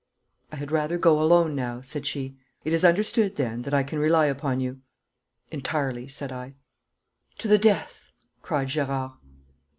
'I had rather go alone now,' said she. 'It is understood, then, that I can rely upon you.' 'Entirely,' said I. 'To the death,' cried Gerard.